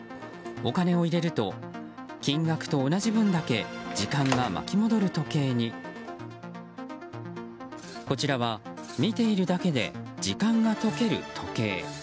お金を入れると金額と同じ分だけ時間が巻き戻る時計にこちらは、見ているだけで時間が溶ける時計。